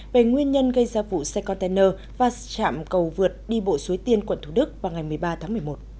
về nguyên nhân gây ra vụ xe container và chạm cầu vượt đi bộ suối tiên quận thủ đức vào ngày một mươi ba tháng một mươi một